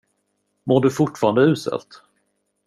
Mår du fortfarande uselt?